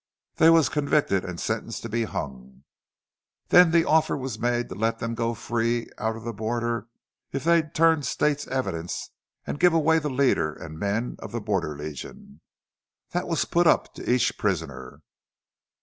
They was convicted an' sentenced to be hung!.. Then the offer was made to let them go free out of the border if they'd turn state's evidence an' give away the leader an' men of the Border Legion. Thet was put up to each prisoner.